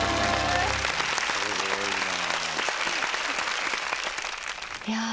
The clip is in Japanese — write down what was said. すごいなぁ。